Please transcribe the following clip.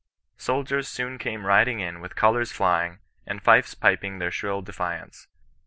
Soldiers soon came riding in with colours flying, and fifes piping their shrill defiance.